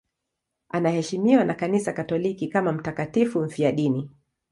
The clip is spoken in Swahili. Anaheshimiwa na Kanisa Katoliki kama mtakatifu mfiadini.